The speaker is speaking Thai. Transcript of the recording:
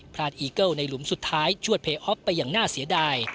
อีเกิลในหลุมสุดท้ายชวดเพย์อ๊อฟไปอย่างน่าเสียดาย